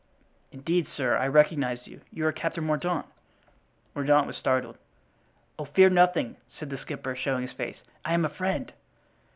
"Indeed, sir, I recognize you; you are Captain Mordaunt." Mordaunt was startled. "Oh, fear nothing," said the skipper, showing his face. "I am a friend."